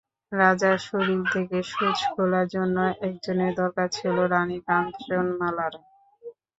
রাজার শরীর থেকে সুচ খোলার জন্য একজনের দরকার ছিল রানি কাঞ্চনমালার।